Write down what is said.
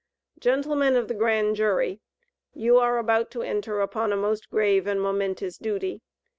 Gentlemen of the Grand Jury: You are about to enter upon a most grave and momentous duty.